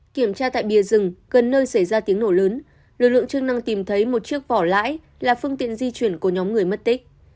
kiểm tra tại bìa rừng gần nơi xảy ra tiếng nổ lớn lực lượng chức năng tìm thấy một chiếc vỏ lãi là phương tiện di chuyển của nhóm người mất tích